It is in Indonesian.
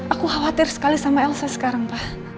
aku khawatir sekali sama elsa sekarang pak